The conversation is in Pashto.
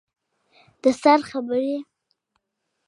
د سر خبرې